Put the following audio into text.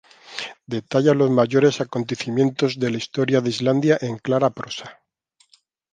Detalla los mayores acontecimientos de la historia de Islandia en clara prosa.